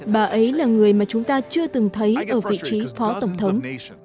bà ấy là người mà chúng ta chưa từng thấy ở vị trí phó tổng thống